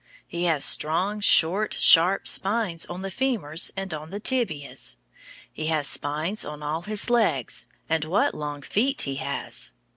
He has strong, short, sharp spines on the femurs and on the tibias. He has spines on all his legs, and what long feet he has!